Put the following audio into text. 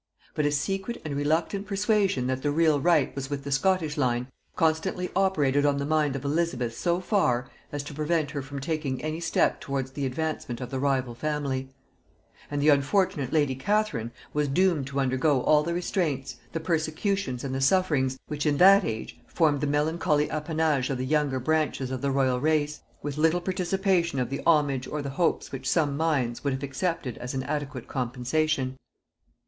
But a secret and reluctant persuasion that the real right was with the Scottish line, constantly operated on the mind of Elizabeth so far as to prevent her from taking any step towards the advancement of the rival family; and the unfortunate lady Catherine was doomed to undergo all the restraints, the persecutions and the sufferings, which in that age formed the melancholy appanage of the younger branches of the royal race, with little participation of the homage or the hopes which some minds would have accepted as an adequate compensation.